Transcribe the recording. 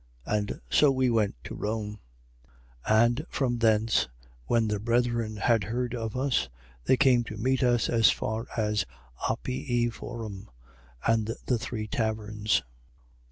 And so we went to Rome. 28:15. And from thence, when the brethren had heard of us, they came to meet us as far as Appii Forum and the Three Taverns.